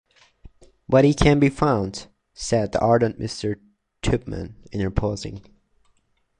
‘But he can be found,’ said the ardent Mr. Tupman, interposing.